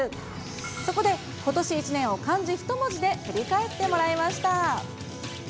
そこでことし一年を漢字一文字で振り返ってもらいました。